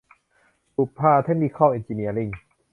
บูรพา เทคนิคอล เอ็นจิเนียริ่ง